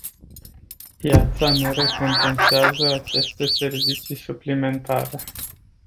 Piața nu recompensează aceste servicii suplimentare.